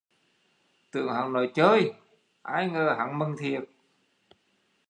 Tưởng hắn nói chơi, ai ngờ hắn mần thiệt